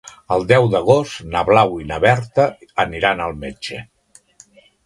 El deu d'agost na Blau i na Berta aniran al metge.